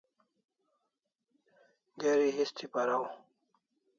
Geri histi paraw